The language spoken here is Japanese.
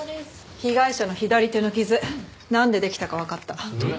被害者の左手の傷なんでできたかわかった。